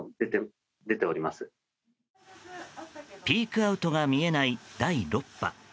ピークアウトが見えない第６波。